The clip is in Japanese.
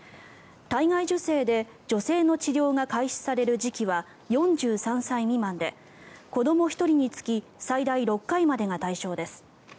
体外受精で女性の治療が開始される時期は４３歳未満で子ども１人につき最大６回までが対象です。